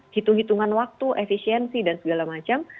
hitung hitungan waktu efisiensi dan segala macam